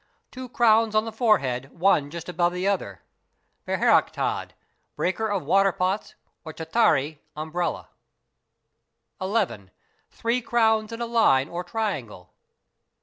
Two crowns on the forehead one just above the other, (beher achad= breaker of water pots or chattri—umbrella). . 11. Three crowns in a line or triangle.